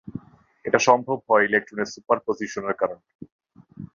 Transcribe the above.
এটা সম্ভব হয় ইলেকট্রনের সুপার পজিশনের কারণে।